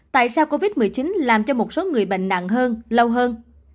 tại sao covid một mươi chín làm cho một số người bệnh nặng hơn lâu hơn